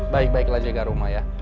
baik baiklah jaga rumah ya